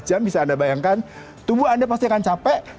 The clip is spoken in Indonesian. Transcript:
empat jam bisa anda bayangkan tubuh anda pasti akan capek